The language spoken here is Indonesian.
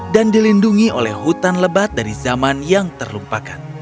dan dilindungi oleh hutan lebat dari zaman yang terlumpakan